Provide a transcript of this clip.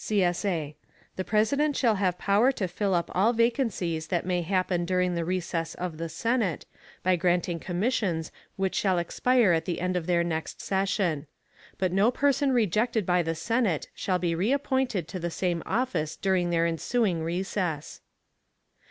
[CSA] The President shall have power to fill up all vacancies that may happen during the recess of the Senate, by granting commissions which shall expire at the end of their next session. _But no person rejected by the Senate shall be reappointed to the same office during their ensuing recess.